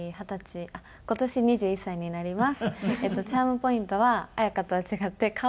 次２１２１歳になります。